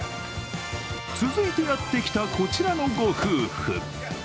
続いてやってきた、こちらのご夫婦